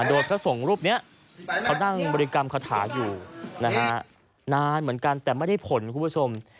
โดยพระสงฆ์รูปนี้เขานั่งบริกรรมคาถาอยู่นะฮะนานเหมือนกันแต่ไม่ได้ผลคุณผู้ชม